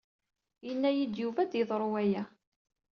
Yenna-iyi-d Yuba ad yeḍru waya.